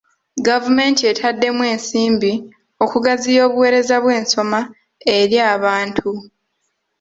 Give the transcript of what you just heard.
Gavumenti etaddemu ensimbi okugaziya obuweereza bw'ensoma eri abantu.